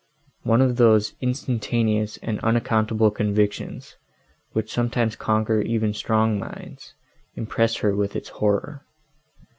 One of those instantaneous and unaccountable convictions, which sometimes conquer even strong minds, impressed her with its horror.